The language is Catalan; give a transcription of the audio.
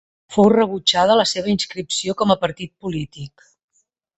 Fou rebutjada la seva inscripció com a partit polític.